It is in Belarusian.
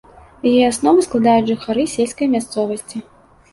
Яе аснову складаюць жыхары сельскай мясцовасці.